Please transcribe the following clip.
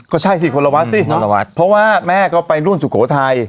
ก็ใช่สิคนละวัดสิเพราะว่าแม่ก็ไปร่วมสุโขทัย